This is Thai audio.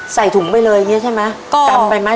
ใส่ถุงไปเลยอย่างเนี้ยใช่ไหม